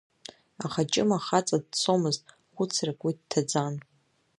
Аха Ҷыма хаҵа дцомызт, хәыцрак уи дҭаӡан.